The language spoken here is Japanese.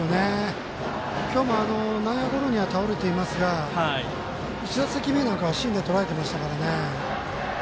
今日も内野ゴロには倒れていますが１打席目なんかは芯でとらえていましたからね。